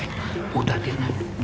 nanti aja kasih taunya